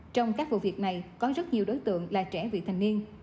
trong các vụ việc này có rất nhiều đối tượng là trẻ vị thành niên